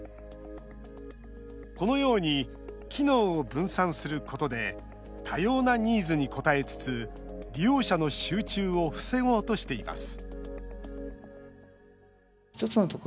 このように機能を分散することで多様なニーズに応えつつ利用者の集中を防ごうとしています